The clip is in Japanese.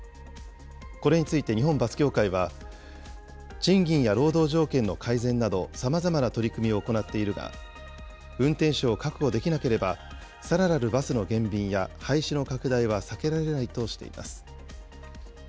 これについて日本バス協会は、賃金や労働条件の改善など、さまざまな取り組みを行っているが、運転手を確保できなければ、さらなるバスの減便や、廃止の拡大は避けられないとしています。